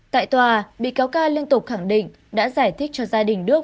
tại tòa bị cáo ca liên tục khẳng định đã giải thích cho gia đình đức